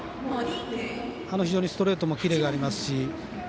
非常にストレートもキレがありますし。